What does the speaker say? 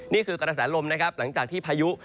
นี่คือกระแสลมลมหลังจากที่พายุ